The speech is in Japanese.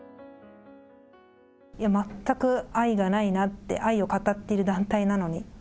全く愛がないなって、愛を語ってる団体なのに。